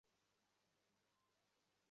এখানে এসে আমার সামনে একথা বলো!